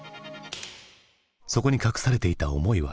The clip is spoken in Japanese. そこに隠されていた思いは？